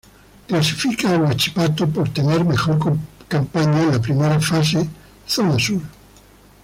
Clasifica Huachipato por tener mejor campaña en la primera fase Zona Sur.